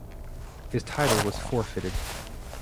His title was forfeited.